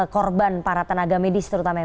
korban para tenaga medis terutama yang